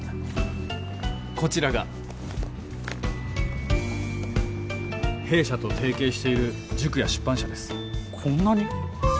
こちらが弊社と提携している塾や出版社です・こんなに？